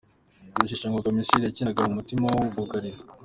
Rusheshangoga Michel yakinaga mu mutima w'ubwugarizi.